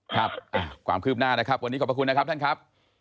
ครับความคืบหน้านะครับวันนี้ขอบพระคุณนะครับท่านครับ